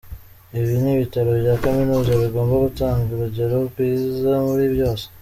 Ibi ni ibitaro bya kaminuza, bigomba gutanga urugero rwiza muri byose.